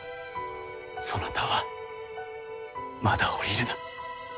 そなたはまだ降りるな。